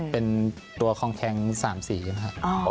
เป็นตัวคองแทง๓สีนะครับ